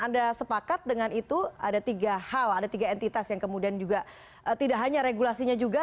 anda sepakat dengan itu ada tiga hal ada tiga entitas yang kemudian juga tidak hanya regulasinya juga